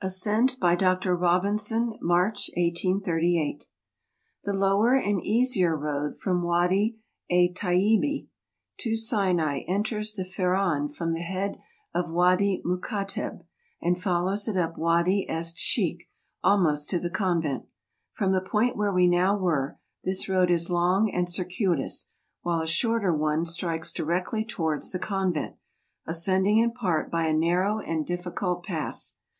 ASCENT BY DK. ROBINSON, MARCH 1838. The lower and easier road from Wadj et Taiyibeli to Sinai enters the Feiran from the head of Wady Mukatteb, and follows it up Wady est Sheikh, almost to the convent. From the point where we now were, this road is long and circuitous; while a shorter one strikes directly towards the convent, ascending in part by a narrow and difficult pass.